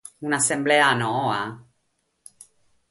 Un'assemblea noa?